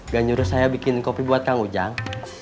gak nyuruh saya bikin kopi buat kang ujang